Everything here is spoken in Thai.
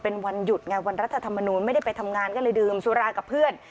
เป็นวันหยุดไงวันรัฐธรรมนูลไม่ได้ไปทำงานก็เลยดื่มสุรากับเพื่อน